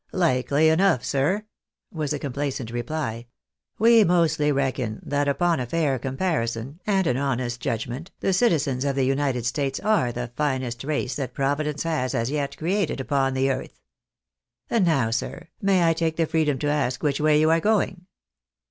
" Likely enough, sir," was the complacent reply. " We mostly reckon that, upon a fair comparison, and an honest judgment, the citizens of the United States are the finest race that Providence has, as yet, created upon the earth. And now, sir, may I take the freedom to ask which way you are going